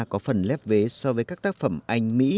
có phần lép vế so với các tác phẩm anh mỹ